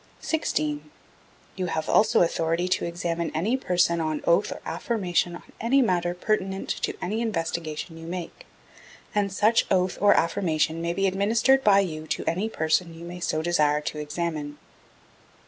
16. You have also authority to examine any person on oath or affirmation on any matter pertinent to any investigation you may make; and such oath or affirmation may be administered by you to any person you may so desire to examine.